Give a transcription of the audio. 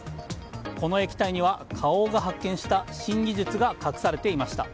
この液体には花王が発見した新技術が隠されていました。